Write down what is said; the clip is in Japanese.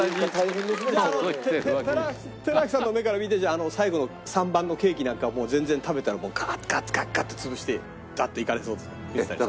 寺脇さんの目から見て最後の３番のケーキなんか全然食べたらガッガッガッて潰してガッといかれそうですか？